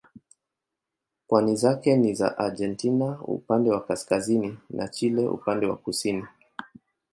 Pwani zake ni za Argentina upande wa kaskazini na Chile upande wa kusini.